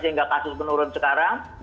sehingga kasus menurun sekarang